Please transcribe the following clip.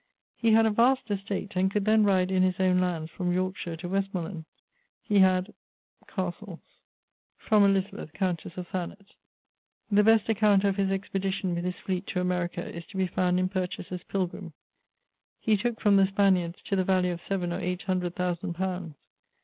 He had a vast estate, and could then ride in his owne lands from Yorkeshire to Westmorland. He had ... castles. [XLVI.] From Elizabeth, countesse of Thanet. The best account of his expedition with his fleet to America is to be found in Purchas's Pilgrim. He tooke from the Spaniards to the value of seaven or 8 hundred thousand poundes.